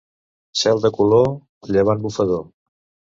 Cel de color, llevant bufador.